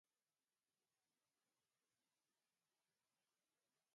Ha rebut algun premi professional?